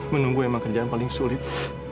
menunggu emang kerjaan paling sulit